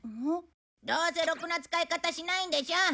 どうせろくな使い方しないんでしょ？